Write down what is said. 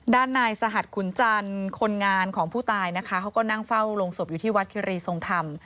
ด้านนายสหัสขุนจันทร์คนงานของผู้ตายนะคะเขาก็นั่งเฝ้าโรงศพอยู่ที่วัดคิรีทรงธรรม